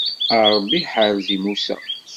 A Ṛebbi ḥerz-i Musa.